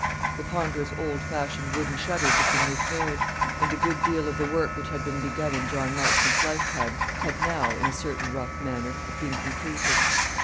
The ponderous old fashioned wooden shutters had been repaired, and a good deal of the work which had been begun in John Marchmont's lifetime had now, in a certain rough manner, been completed.